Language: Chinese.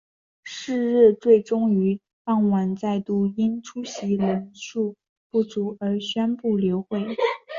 是日最终于傍晚再度因出席人数不足而宣布流会。